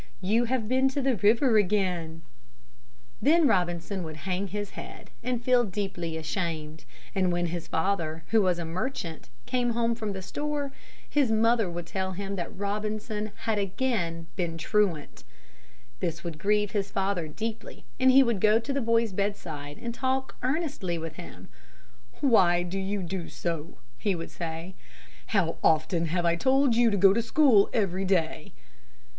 You have been to the river again." [Illustration: ROBINSON WATCHING THE SHIPS] Then Robinson would hang his head and feel deeply ashamed, and when his father, who was a merchant, came home from the store, his mother would tell him that Robinson had again been truant. This would grieve his father deeply and he would go to the boy's bedside and talk earnestly with him. "Why do you do so?" he would say. "How often have I told you to go to school every day?"